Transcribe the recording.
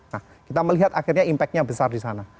nah kita melihat akhirnya impactnya besar di sana